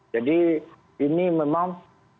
jadi ini memang